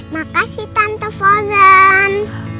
makasih tante frozen